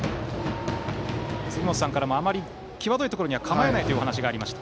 杉本さんからも、あまり際どいところには構えないというお話がありました。